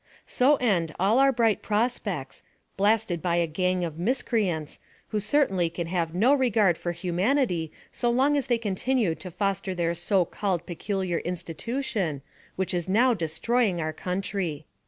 "So end all our bright prospects, blasted by a gang of miscreants, who certainly can have no regard for humanity so long as they continue to foster their so called peculiar institution, which is now destroying our country."